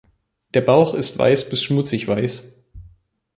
Der Bauch ist weiß bis schmutzigweiß.